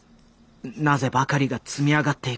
「なぜ？」ばかりが積み上がっていく。